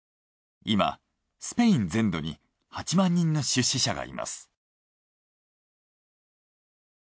今スペイン全土に８万人の出資者がいます。